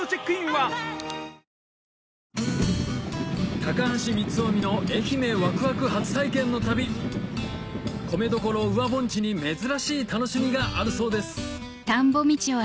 高橋光臣の愛媛ワクワク初体験の旅米どころ宇和盆地に珍しい楽しみがあるそうです